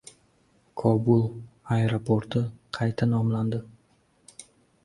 Kobul aeroporti qayta nomlandi